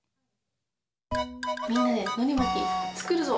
みんなでのりまきつくるぞ！